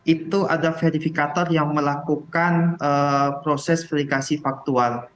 itu ada verifikator yang melakukan proses verifikasi faktual